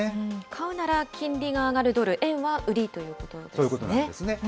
買うなら金利が上がるドル、円は売りそういうことなんですね。